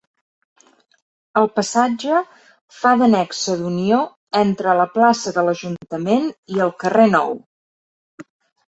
El passatge fa de nexe d'unió entre la plaça de l'Ajuntament i el carrer Nou.